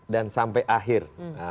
dan sampai akhir